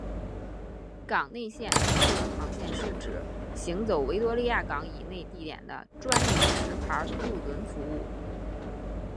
港内线渡轮航线是指行走维多利亚港以内地点的专营持牌渡轮服务。